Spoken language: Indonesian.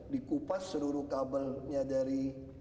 dikupas seluruh kabelnya dari